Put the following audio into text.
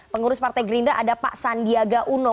pengurus partai gerindra ada pak sandiaga uno